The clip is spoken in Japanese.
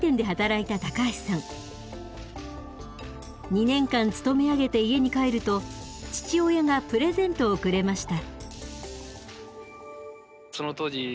２年間勤め上げて家に帰ると父親がプレゼントをくれました。